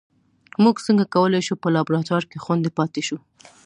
موږ څنګه کولای شو په لابراتوار کې خوندي پاتې شو